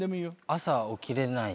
朝起きれない。